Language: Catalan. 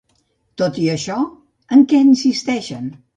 Tot i això, en què insisteixen?